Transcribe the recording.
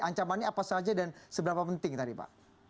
ancaman ini apa saja dan seberapa penting tadi pak